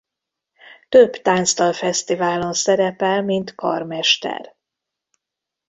Több Táncdalfesztiválon szerepel mint karmester.